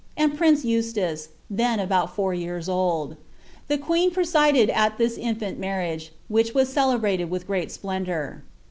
and prince Eustace, then about four years old. The queen presided at this infant marriage, which was celebrated with great splendour.